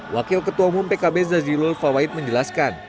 wakil ketua umum pkb zazilul fawait menjelaskan